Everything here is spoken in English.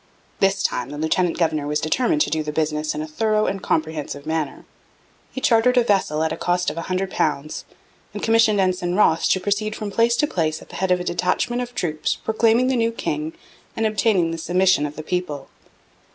This time the lieutenant governor was determined to do the business in a thorough and comprehensive manner. He chartered a vessel at a cost of a hundred pounds, and commissioned Ensign Wroth to proceed from place to place at the head of a detachment of troops proclaiming the new king and obtaining the submission of the people.